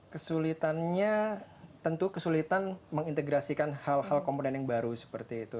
kesulitannya tentu kesulitan mengintegrasikan hal hal komponen yang baru seperti itu